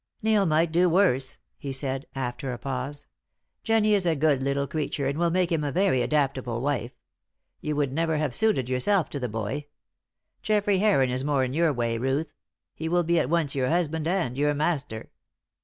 "Neil might do worse," he said, after a pause. "Jennie is a good little creature and will make him a very adaptable wife. You would never have suited yourself to the boy. Geoffrey Heron is more in your way, Ruth. He will be at once your husband and your master."